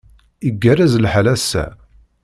Igerrez lḥal ass-a.